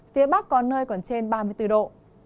phía bắc có nơi còn trên ba mươi bốn độ